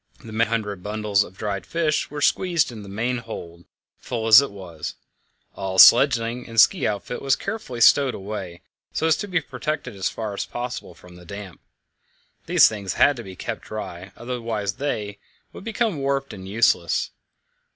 The many hundred bundles of dried fish were squeezed into the main hold, full as it was. All sledging and ski outfit was carefully stowed away, so as to be protected as far as possible from damp. These things had to be kept dry, otherwise they, would become warped and useless.